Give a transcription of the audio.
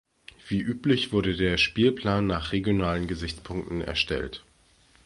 Wie üblich wurde der Spielplan nach regionalen Gesichtspunkten erstellt.